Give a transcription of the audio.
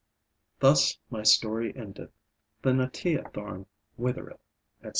Thus my story endeth, The Natiya thorn withereth, etc.